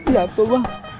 ya ampun bang